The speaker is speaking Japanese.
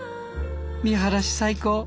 見晴らし最高。